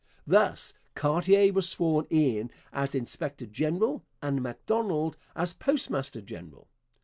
Thus, Cartier was first sworn in as inspector general and Macdonald as postmaster general.